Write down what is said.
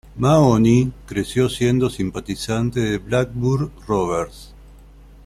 Mahony creció siendo simpatizante del Blackburn Rovers.